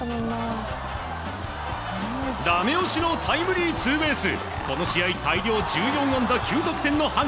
ダメ押しのタイムリーツーベース。